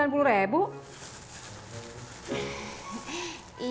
yang sepuluh ribunya buat pulsa tati